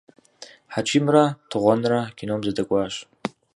Хьэчимрэ Тыгъуэнрэ кином зэдэкӏуащ.